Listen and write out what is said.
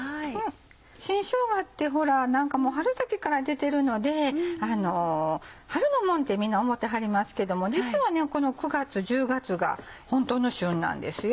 新しょうがってほら春先から出てるので春のものってみんな思ってはりますけども実はこの９月１０月が本当の旬なんですよ。